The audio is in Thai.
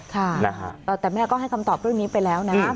ค่ะน่ะฮะเอ่อแต่แม่ก็ให้คำตอบตัวนี้ไปแล้วนะ